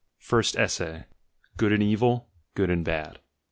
FIRST ESSAY "GOOD AND EVIL," "GOOD AND BAD" i.